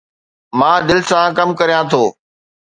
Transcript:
مان دل سان ڪم ڪريان ٿو